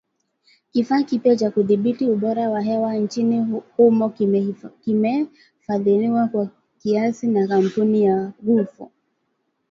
Kifaa kipya cha kudhibiti ubora wa hewa nchini humo kimefadhiliwa kwa kiasi na kampuni ya Gugo